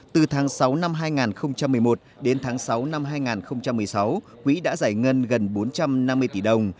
từ tháng sáu năm hai nghìn một mươi một đến tháng sáu năm hai nghìn một mươi sáu quỹ đã giải ngân gần bốn trăm năm mươi tỷ đồng